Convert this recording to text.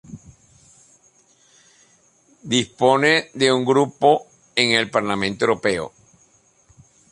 Dispone de un grupo en el Parlamento Europeo.